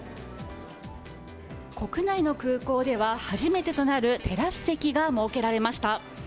国内の空港では初めてとなるテラス席が設けられました。